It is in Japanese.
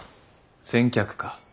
先客か。